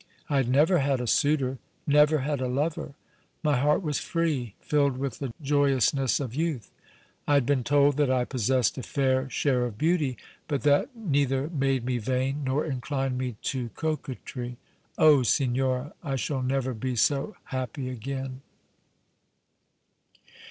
I had never had a suitor, never had a lover. My heart was free, filled with the joyousness of youth. I had been told that I possessed a fair share of beauty, but that neither made me vain nor inclined me to coquetry. Oh! signora, I shall never be so happy again!"